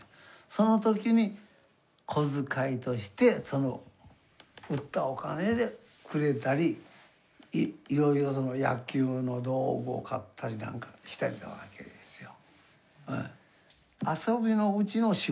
その時に小遣いとしてその売ったお金でくれたりいろいろ野球の道具を買ったりなんかしてたわけですよ。